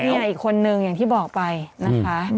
อีกคนนึงอย่างที่บอกไปนะคะ